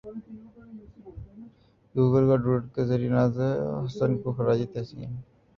Google کا doodle کے ذریعے نازیہ حسن کو خراج تحسین